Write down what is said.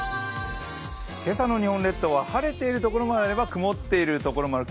今朝の日本列島は晴れている所もあれば曇っている所もある。